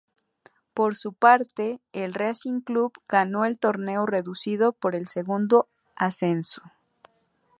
Por su parte, el Racing Club ganó el torneo reducido por el segundo ascenso.